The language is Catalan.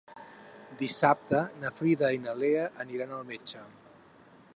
Dissabte na Frida i na Lea aniran al metge.